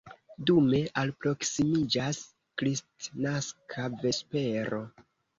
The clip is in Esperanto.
Dume alproksimiĝas kristnaska vespero.